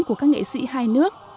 của các nghệ sĩ hai nước